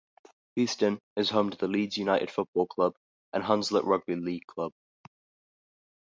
Beeston is home to the Leeds United football club and Hunslet rugby league club.